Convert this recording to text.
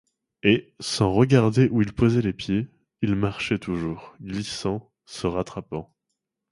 Et, sans regarder où il posait les pieds, il marchait toujours, glissant, se rattrapant.